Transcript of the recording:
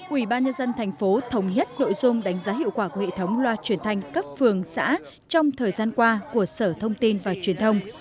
ubnd tp thống nhất nội dung đánh giá hiệu quả của hệ thống loa truyền thanh các phường xã trong thời gian qua của sở thông tin và truyền thông